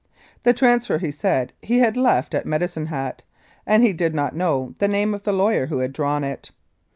The transfer he said he had left at Medi cine Hat, and he did not know the name of the lawyer who had drawn it.